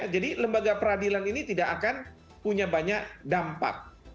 jadi lembaga peradilan ini tidak akan punya banyak dampak